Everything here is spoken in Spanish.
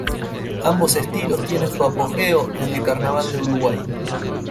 Ambos estilos tienen su apogeo en el Carnaval de Uruguay.